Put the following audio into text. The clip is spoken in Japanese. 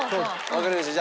わかりました。